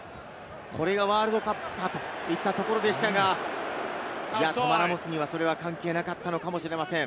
これがワールドカップかといったところでしたが、トマ・ラモスには、それは関係なかったのかもしれません。